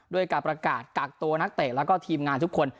ด้วยการประกาศกักตัวนักเตะแล้วก็ทีมงานทุกคน